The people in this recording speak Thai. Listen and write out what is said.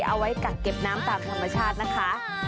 เอาไว้กักเก็บน้ำตามธรรมชาตินะคะ